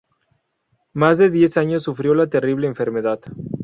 Más de diez años sufrió la terrible enfermedad.